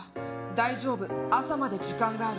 「大丈夫朝まで時間がある」